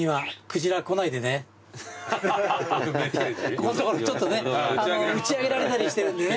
ここのところちょっとね打ち上げられたりしてるんでね。